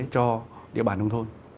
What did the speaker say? cho địa bàn nông thôn